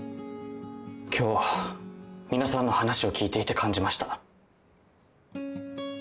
今日皆さんの話を聞いていて感じました。